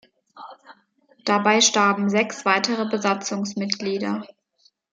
Dabei starben sechs weitere Besatzungsmitglieder.